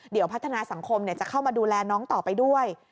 เดี๋ยวพัฒนาสังคมจะเข้ามาดูแลน้องต่อไปด้วย